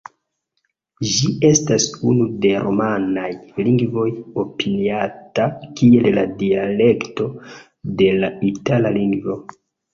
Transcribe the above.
Ĝi estas unu de romanaj lingvoj opiniata kiel la dialekto de la itala lingvo.